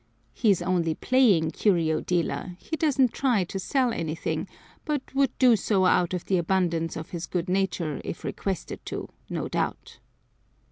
He is only playing curio dealer; he doesn't try to sell anything, but would do so out of the abundance of his good nature if requested to, no doubt.